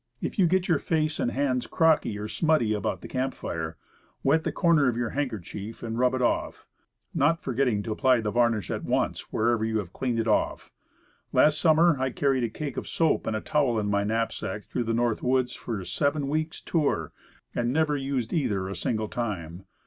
If you get your face or hands crocky or smutty about the camp fire, wet the corner of your handkerchief and rub it off, not forgetting to apply the varnish at once, wherever you have cleaned it off. Last summer I carried a cake of soap and a towel in my knapsack through the North Woods for a seven weeks' tour, and never used either a single time.